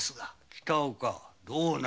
北岡どうなのだ？